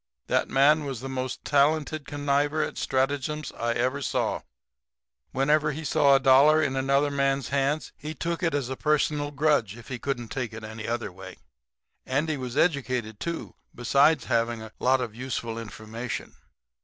That man was the most talented conniver at stratagems I ever saw. Whenever he saw a dollar in another man's hands he took it as a personal grudge, if he couldn't take it any other way. Andy was educated, too, besides having a lot of useful information.